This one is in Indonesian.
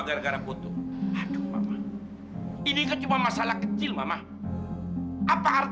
bhw yang cara pengunjung nasional beberapa barat